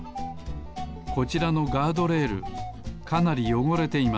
こちらのガードレールかなりよごれています。